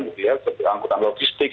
seperti angkutan logistik